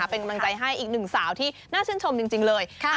เป็นกำลังใจให้อีกหนึ่งสาวที่น่าชื่นชมจริงเลย